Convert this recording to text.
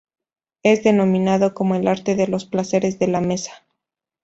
Es denominado como el arte de los placeres de la mesa.